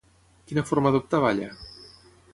Quina forma adoptava allà?